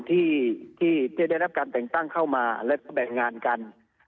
ที่ได้รับการแต่งตั้งเข้ามาและแบ่งงานกัน